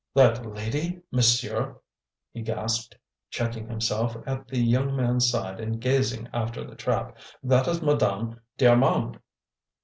"That lady, monsieur?" he gasped, checking himself at the young man's side and gazing after the trap, "that is Madame d'Armand."